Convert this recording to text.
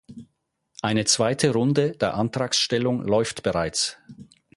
Ein zweite Runde der Antragstellung läuft bereits.